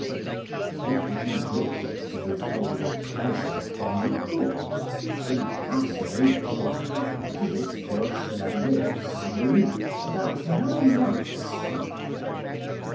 It would be wicked to withhold a pleasure from the good, in passing over what happen'd to this poor Chevalier of St. Louis about nine months after.